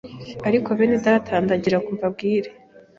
Ariko bene data ndagirango mbabwire